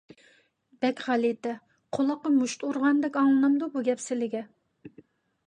بەك غەلىتە، قۇلاققا مۇشت ئۇرغاندەك ئاڭلىنامدۇ بۇ گەپ سىلىگە؟!